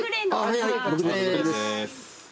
はいはい僕です。